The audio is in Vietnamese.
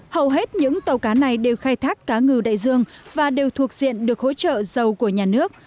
hầu hết những tàu cá này đều khai thác cá ngừ đại dương và đều thuộc diện được hỗ trợ dầu của nhà nước